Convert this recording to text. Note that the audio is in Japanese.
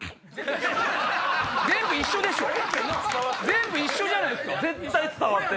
全部一緒じゃないっすか。